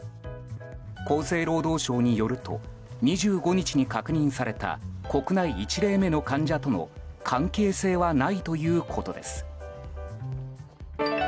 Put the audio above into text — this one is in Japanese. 厚生労働省によると２５日に確認された国内１例目の患者との関係性はないということです。